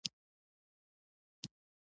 نیمیبیا د سویلي افریقا رینډ کاروي.